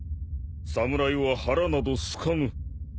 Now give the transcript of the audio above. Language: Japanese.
侍は腹などすかぬ。